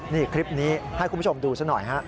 นี่คลิปนี้ให้คุณผู้ชมดูซะหน่อยฮะ